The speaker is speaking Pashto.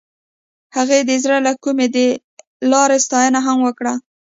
هغې د زړه له کومې د لاره ستاینه هم وکړه.